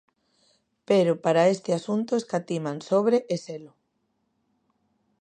Pero para este asunto escatiman sobre e selo.